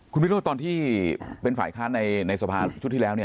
คุณวิโรธตอนที่เป็นฝ่ายค้านในสภาชุดที่แล้วเนี่ย